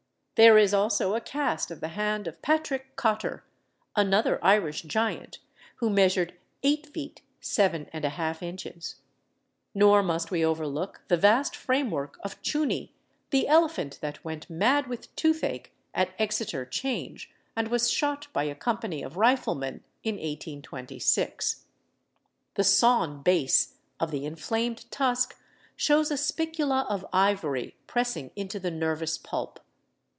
There is also a cast of the hand of Patrick Cotter, another Irish giant, who measured eight feet seven and a half inches. Nor must we overlook the vast framework of Chunee, the elephant that went mad with toothache at Exeter Change, and was shot by a company of riflemen in 1826. The sawn base of the inflamed tusk shows a spicula of ivory pressing into the nervous pulp.